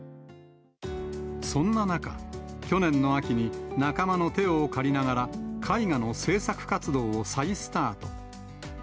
そんな中、去年の秋に、仲間の手を借りながら、絵画の制作活動を再スタート。